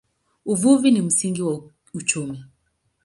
Uvuvi ni msingi wa uchumi.